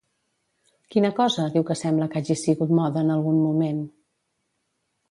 Quina cosa diu que sembla que hagi sigut moda en algun moment?